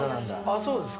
そうですか。